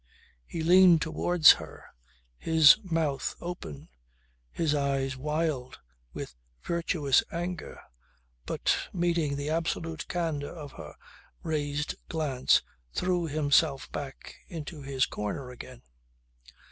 He leaned towards her, his mouth open, his eyes wild with virtuous anger, but meeting the absolute candour of her raised glance threw himself back into his corner again.